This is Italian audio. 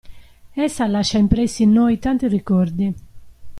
Essa lascia impressi in noi tanti ricordi.